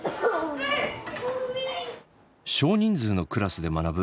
少人数のクラスで学ぶ